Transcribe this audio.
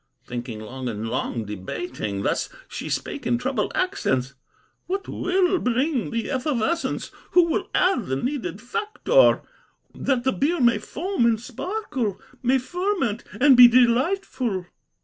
Thinking long and long debating, Thus she spake in troubled accents: 'What will bring the effervescence, Who will add the needed factor, That the beer may foam and sparkle, May ferment and be delightful?